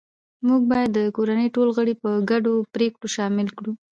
موږ باید د کورنۍ ټول غړي په ګډو پریکړو شامل کړو